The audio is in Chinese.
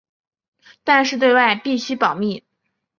但是对外必须保密。